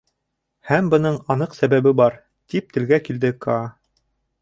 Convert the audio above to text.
Һәм бының аныҡ сәбәбе бар, — тип телгә килде Каа.